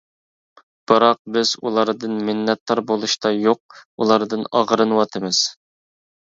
بىراق، بىز ئۇلاردىن مىننەتدار بولۇشتا يوق، ئۇلاردىن ئاغرىنىۋاتىمىز.